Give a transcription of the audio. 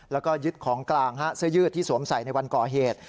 แล้วก็ยึดของกลางเสื้อยืดที่สวมใส่ในวันก่อเหตุ